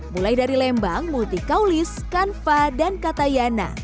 mulai dari lembang multikaulis kanva dan katayana